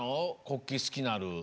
国旗すきなる。